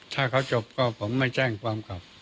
ถ้าเขาจบก็ผมไม่แจ้งความกลับ